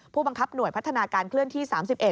ผู้บังคับหน่วยพัฒนาการเคลื่อนที่๓๑